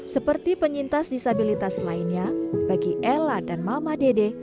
seperti penyintas disabilitas lainnya bagi ella dan mama dede